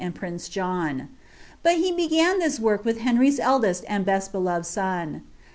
and prince John. But he hcgan this work tvith Henry's eldMaw beet beloved son.